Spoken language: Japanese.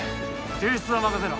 救出は任せろ